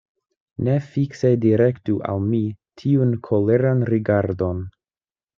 Ne fikse direktu al mi tiun koleran rigardon.